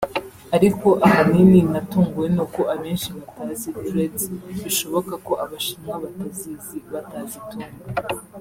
ariko ahanini natunguwe n’uko abenshi batazi Dreads bishoboka ko Abashinwa batazizi batazitunga